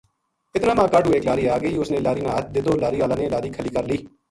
اتنا ما کاہڈُو ایک لاری آ گئی اس نے لاری نا ہتھ دِتو لاری ہالا نے لاری کھلی کر لئی